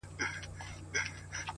هره ناکامي د راتلونکې لارښوونه کوي!